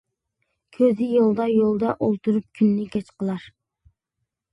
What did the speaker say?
كۆزى يولدا، يولدا ئولتۇرۇپ كۈننى كەچ قىلار.